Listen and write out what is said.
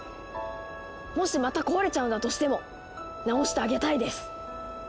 もしまた壊れちゃうんだとしてもなおしてあげたいです！